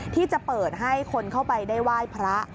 ที่จะเปิดให้คนเข้าไปได้ไหว้พระ